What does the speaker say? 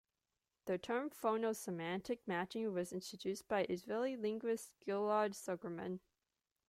The term "phono-semantic matching" was introduced by Israeli linguist Ghil'ad Zuckermann.